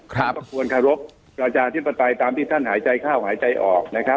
ก็ควรเคารพประชาธิปไตยตามที่ท่านหายใจเข้าหายใจออกนะครับ